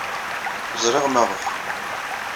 Ẓriɣ maɣef.